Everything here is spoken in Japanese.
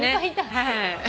はい。